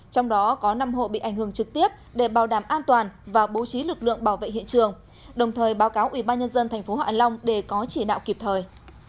trong đó có năm hộ bị ảnh hưởng trực tiếp để bảo đảm an toàn và bố trí lực lượng bảo vệ hiện trường đồng thời báo cáo ubnd tp hạ long để có chỉ đạo kịp thời